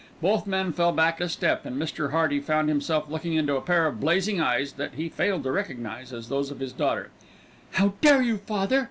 Both men fell back a step and Mr. Hearty found himself looking into a pair of blazing eyes that he failed to recognise as those of his daughter. "How dare you, father!"